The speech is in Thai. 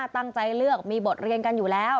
ตั้งใจเลือกมีบทเรียนกันอยู่แล้ว